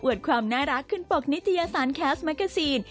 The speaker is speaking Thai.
อวดความน่ารักขึ้นปกในจริยสารแคสมากาซีน